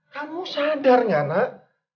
kamu sadar gak nak